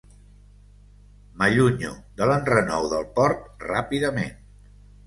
M'allunyo de l'enrenou del port ràpidament.